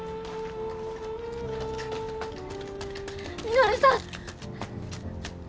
稔さん！